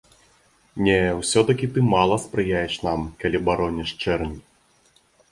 Не, усё-такі ты мала спрыяеш нам, калі бароніш чэрнь.